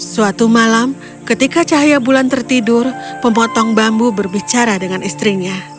suatu malam ketika cahaya bulan tertidur pemotong bambu berbicara dengan istrinya